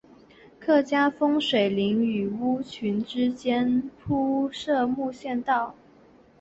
客家风水林与村屋群之间铺设木栈道。